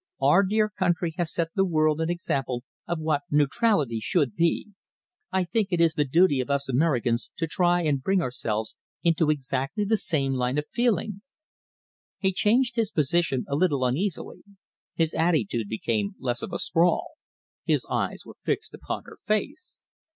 Our dear country has set the world an example of what neutrality should be. I think it is the duty of us Americans to try and bring ourselves into exactly the same line of feeling." He changed his position a little uneasily. His attitude became less of a sprawl. His eyes were fixed upon her face.